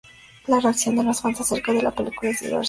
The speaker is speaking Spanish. La reacción de los fans acerca de la película es diversa.